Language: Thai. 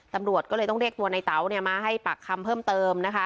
ตำรวจก็เลยต้องเรียกตัวในเต๋ามาให้ปากคำเพิ่มเติมนะคะ